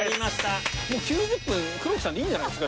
發９０分黒木さんでいいんじゃないですか？